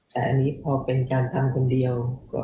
แต่อันนี้พอเป็นการทำคนเดียว